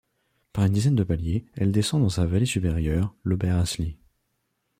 Par une dizaine de paliers, elle descend dans sa vallée supérieure, l'Oberhasli.